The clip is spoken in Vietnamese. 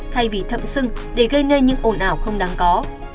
thay vì thậm sưng để gây nên những ổn ảo không đáng có